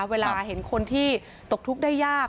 เวลาเห็นคนที่ตกทุกข์ได้ยาก